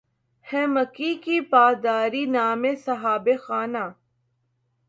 ہے مکیں کی پا داری نام صاحب خانہ